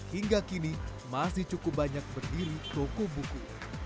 hingga kini masih cukup banyak berdiri toko buku